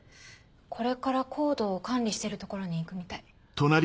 これからＣＯＤＥを管理してる所に行くみたい。